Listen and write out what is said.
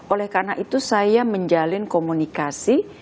oleh karena itu saya menjalin komunikasi